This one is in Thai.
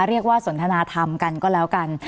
เรียกว่าสนทนาธรรมกันก็แล้วกัน